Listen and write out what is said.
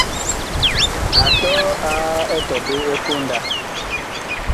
A tɔɔ a etɔɓe ɛ konda.